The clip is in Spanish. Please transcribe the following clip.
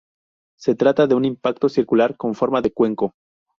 Se trata de un impacto circular con forma de cuenco.